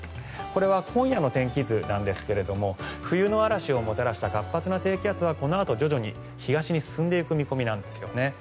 これは今夜の天気図なんですが冬の嵐をもたらした活発な低気圧はこのあと徐々に東に進んでいく見込みです。